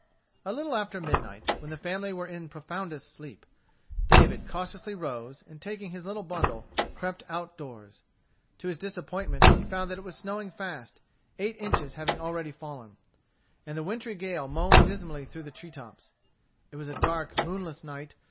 A little after midnight, when the family were in profoundest sleep, David cautiously rose, and taking his little bundle, crept out doors. To his disappointment he found that it was snowing fast, eight inches having already fallen; and the wintry gale moaned dismally through the treetops. It was a dark, moonless night.